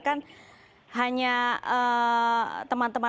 kalau saya lihat mas igun maaf